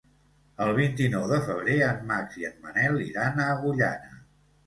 El vint-i-nou de febrer en Max i en Manel iran a Agullana.